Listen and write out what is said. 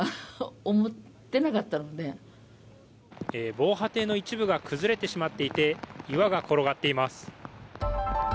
防波堤の一部が崩れてしまっていて岩が転がっています。